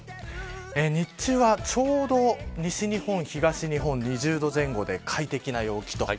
日中はちょうど西日本、東日本、２０度前後で快適な陽気。